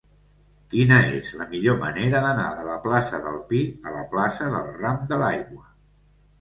Quina és la millor manera d'anar de la plaça del Pi a la plaça del Ram de l'Aigua?